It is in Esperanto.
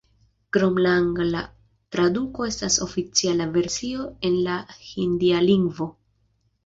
Krom la angla traduko estas oficiala versio en la hindia lingvo.